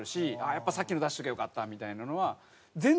やっぱさっきの出しときゃよかったみたいなのは全然あるから。